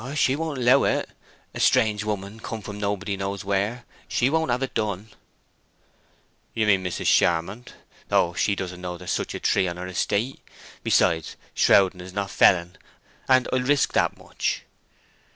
"She won't allow it—a strange woman come from nobody knows where—she won't have it done." "You mean Mrs. Charmond? Oh, she doesn't know there's such a tree on her estate. Besides, shrouding is not felling, and I'll risk that much."